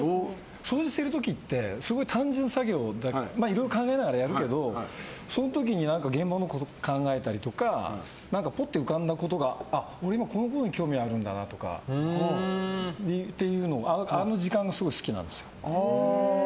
掃除してる時ってすごい単純作業でいろいろ考えながらやるけどその時に現場のことを考えたりとかポッて浮かんだことが今、俺はこういうことに興味あるんだなとかっていうのがあるのであの時間がすごい好きなんですよ。